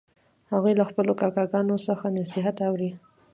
هغوی له خپلو کاکاګانو څخه نصیحت اوري